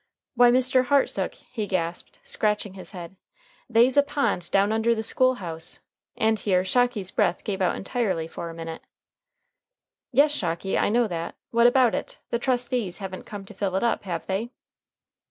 "Why, Mr. Hartsook," he gasped, scratching his head, "they's a pond down under the school house," and here Shocky's breath gave out entirely for a minute. "Yes, Shocky, I know that. What about it? The trustees haven't come to fill it up, have they?"